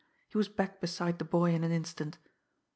He was back beside the boy in an instant.